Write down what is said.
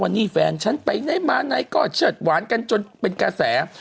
นี่แฟนฉันไปไหนมาไหนก็เชิดหวานกันจนเป็นกระแส